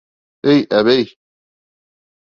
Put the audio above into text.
Эй, әбей!